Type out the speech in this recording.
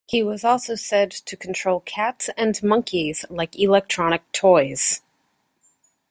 He was also said to control cats and monkeys like electronic toys.